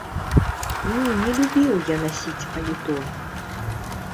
Ну, не любіў я насіць паліто.